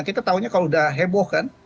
kita tahunya kalau udah heboh kan